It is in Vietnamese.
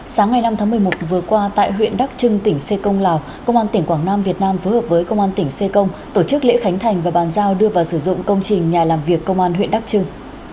sáng ngày năm tháng một mươi một vừa qua tại huyện đắc trưng tỉnh xê công lào công an tỉnh quảng nam việt nam phối hợp với công an tỉnh xê công tổ chức lễ khánh thành và bàn giao đưa vào sử dụng công trình nhà làm việc công an huyện đắc trưng